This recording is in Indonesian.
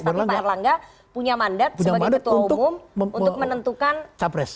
tapi pak erlangga punya mandat sebagai ketua umum untuk menentukan capres dan cawapres